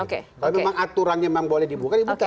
kalau memang aturannya memang boleh dibuka dibuka